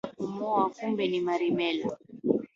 Ukaharakisha kumuoa kumbe ni Merimela.